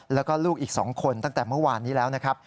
แล้วก็ลูกอีก๒คนตั้งแต่เมื่อวานนี้แล้วนะครับ